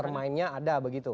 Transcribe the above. mastermindnya ada begitu